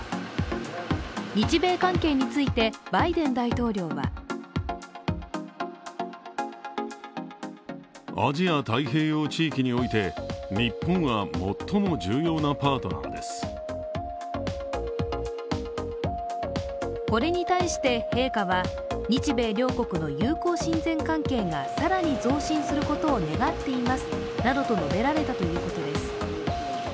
日米関係についてバイデン大統領はこれに対して陛下は日米両国の友好親善関係が更に増進することを願っていますなどと述べられたということです。